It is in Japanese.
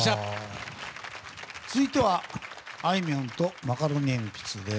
続いては、あいみょんとマカロニえんぴつです。